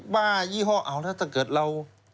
ป้ายี่ห้อเอาแล้วถ้าเกิดเรา